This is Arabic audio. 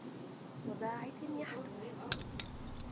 وَبَاعِثٍ يَحْدُوهُ